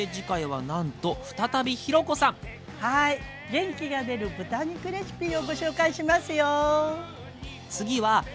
元気が出る豚肉レシピをご紹介しますよ。